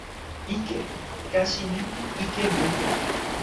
ike! kasi ni li ike mute a.